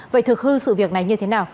vậy thực hư sự việc này như thế nào